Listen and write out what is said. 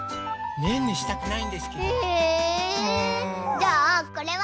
じゃあこれは？